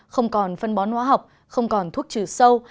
không còn phân bón hóa học không còn thuốc trừ sâu